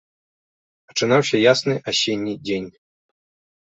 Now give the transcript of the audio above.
Пачынаўся ясны асенні дзень.